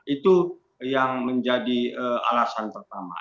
itu yang menjadi alasan pertama